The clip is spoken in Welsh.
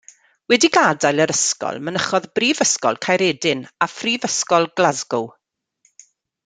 Wedi gadael yr ysgol mynychodd Brifysgol Caeredin a Phrifysgol Glasgow.